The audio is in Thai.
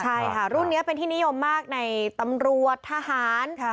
ใช่ค่ะรุ่นนี้เป็นที่นิยมมากในตำรวจทหาร